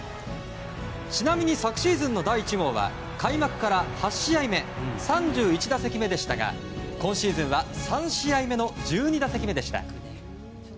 ちなみに昨シーズンの第１号は開幕から８試合目３１打席目でしたが今シーズンは３試合目の１２打席目でした。